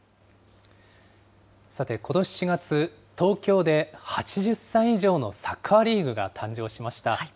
さて、ことし４月、東京で８０歳以上のサッカーリーグが誕生しました。